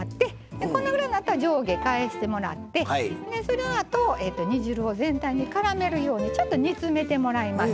でこのぐらいになったら上下返してもらってでそのあと煮汁を全体にからめるようにちょっと煮詰めてもらいます。